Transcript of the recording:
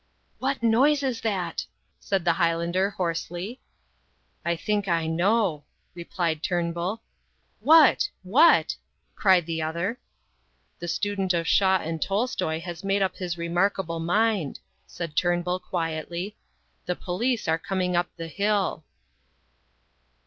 "What noise is that?" asked the Highlander, hoarsely. "I think I know," replied Turnbull. "What?... What?" cried the other. "The student of Shaw and Tolstoy has made up his remarkable mind," said Turnbull, quietly. "The police are coming up the hill."